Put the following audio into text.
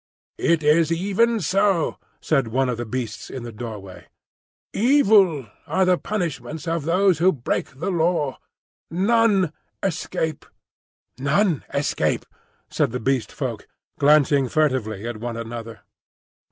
"It is even so," said one of the beasts in the doorway. "Evil are the punishments of those who break the Law. None escape." "None escape," said the Beast Folk, glancing furtively at one another.